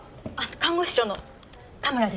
看護師長の田村です。